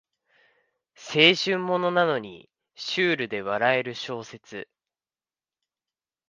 青春ものなのにシュールで笑える小説